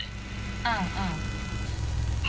อืมอืม